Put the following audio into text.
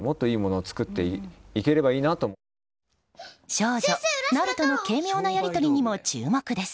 少女なるとの軽妙なやり取りにも注目です。